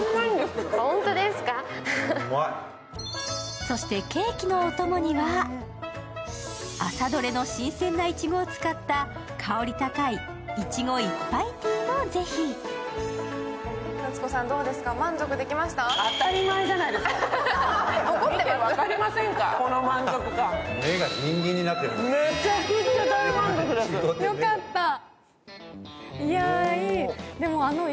そしてケーキのお供には朝どれの新鮮ないちごを使った香り高い、いちごいっぱいティーもぜひ、いや、いい。